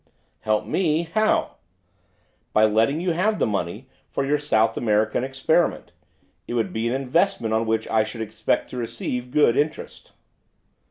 'Help me? How?' 'By letting you have the money for your South American experiment; it would be an investment on which I should expect to receive good interest.